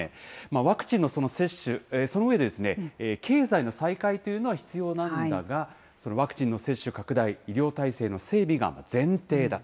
ワクチンの接種、その上で、経済の再開というのは必要なんだが、ワクチンの接種拡大、医療体制の整備が前提だ。